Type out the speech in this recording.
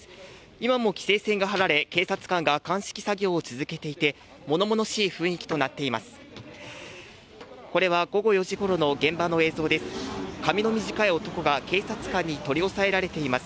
今も規制線が張られ、警察官が鑑識作業を進めていて、ものものしい雰囲気となっています。